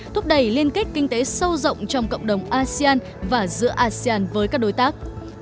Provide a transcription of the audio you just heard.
thúc đẩy liên kết kinh tế sâu rộng trong cộng đồng asean và giữa asean với các đối tác